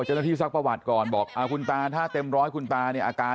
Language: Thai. เจนที่ซักประวัติก่อนโบกไหมคุณตาเท่าไหร่ครับ